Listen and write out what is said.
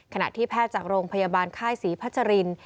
ขณะที่แพทย์จากโรงพยาบาลค่ายศรีพัชริน